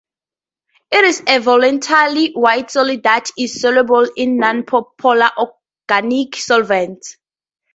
It is a volatile white solid that is soluble in nonpolar organic solvents.